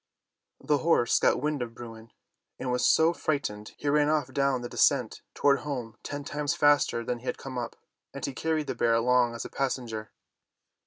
The horse got wind of Bruin, and was so frightened he ran off down the descent toward home ten times faster than he had come up, and he carried the bear along as a passenger.